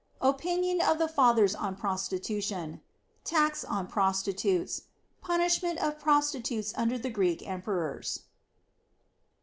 Opinion of the Fathers on Prostitution. Tax on Prostitutes. Punishment of Prostitutes under the Greek Emperors.